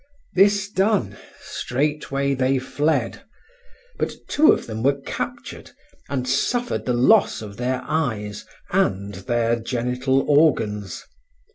This done, straightway they fled, but two of them were captured, and suffered the loss of their eyes and their genital organs.